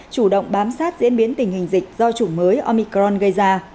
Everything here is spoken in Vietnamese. chủ động bám sát diễn biến tình hình dịch do chủng mới omicron gây ra